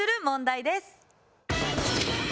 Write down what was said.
問題。